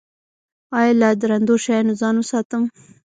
ایا له درندو شیانو ځان وساتم؟